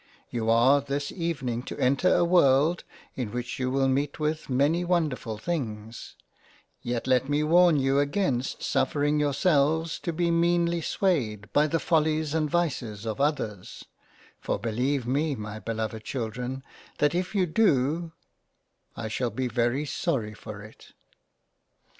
You are this Evening to enter a World in which you will meet with many wonderfull Things ; Yet let me warn you against suffer ing yourselves to be meanly swayed by the Follies and Vices of others, for beleive me my beloved Children that if you do 1 shall be very sorry for it."